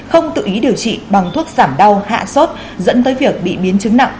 không tự ý điều trị bằng thuốc giảm đau hạ sốt dẫn tới việc bị biến chứng nặng